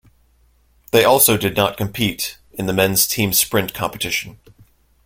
They also did not compete in the Men's team sprint competition.